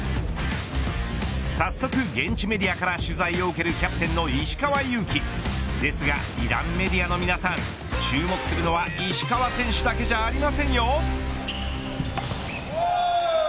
早速現地メディアから取材を受けるキャプテンの石川祐希ですが、イランメディアの皆さん注目するのは石川選手だけじゃありませんよ。